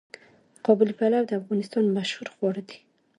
قابلي پلو د افغانستان مشهور خواړه دي.